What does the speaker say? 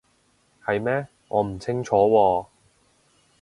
係咩？我唔清楚喎